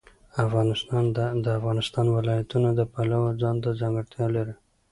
افغانستان د د افغانستان ولايتونه د پلوه ځانته ځانګړتیا لري.